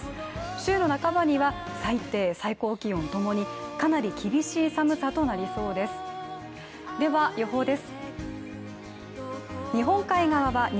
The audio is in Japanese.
週の半ばには最低・最高気温共にかなり厳しい寒さとなりそうです。